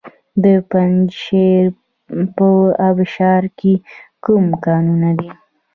د پنجشیر په ابشار کې کوم کانونه دي؟